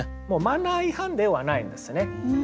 マナー違反ではないんですね。